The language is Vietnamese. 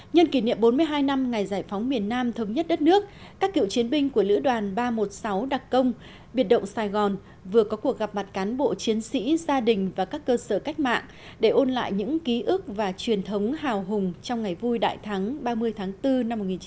nhân kỷ niệm bốn mươi hai năm ngày giải phóng miền nam thống nhất đất nước các cựu chiến binh của lữ đoàn ba trăm một mươi sáu đặc công biệt động sài gòn vừa có cuộc gặp mặt cán bộ chiến sĩ gia đình và các cơ sở cách mạng để ôn lại những ký ức và truyền thống hào hùng trong ngày vui đại thắng ba mươi tháng bốn năm một nghìn chín trăm bốn mươi năm